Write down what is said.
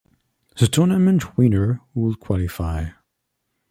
The tournament winner would qualify.